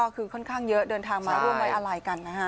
คือค่อนข้างเยอะเดินทางมาร่วมไว้อะไรกันนะฮะ